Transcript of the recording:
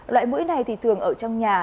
loại mũi này thì thường ở trong nhà